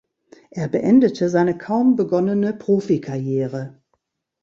Er beendete seine kaum begonnene Profi-Karriere.